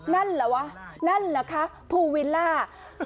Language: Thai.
นั่นเหรอวะนั่นเหรอคะภูวิลล่า